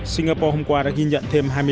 singapore hôm qua đã ghi nhận thêm